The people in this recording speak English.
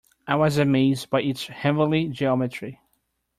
I was amazed by its heavenly geometry.